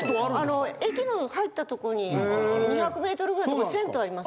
駅の入ったとこに２００ｍぐらいのとこに銭湯あります。